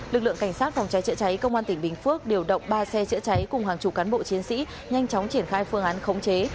lực lượng cảnh sát phòng cháy chữa cháy công an tỉnh bình phước điều động ba xe chữa cháy cùng hàng chục cán bộ chiến sĩ nhanh chóng triển khai phương án khống chế